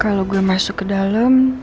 kalau gue masuk ke dalam